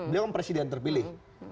beliau kan presiden terpilih